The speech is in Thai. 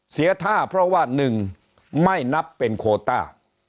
เสียท่าเพราะว่า๑ไม่นับเป็นโคต้า